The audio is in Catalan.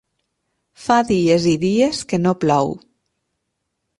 Fa dies i dies que no plou.